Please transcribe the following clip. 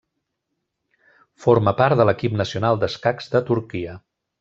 Forma part de l'equip nacional d'escacs de Turquia.